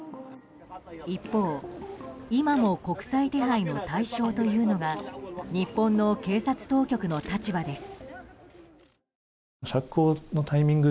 一方、今も国際手配の対象というのが日本の警察当局の立場です。